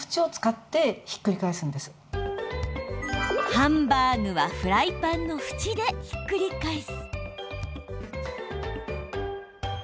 ハンバーグはフライパンの縁でひっくり返す。